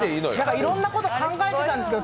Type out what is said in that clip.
いろんなこと考えてたんですけど、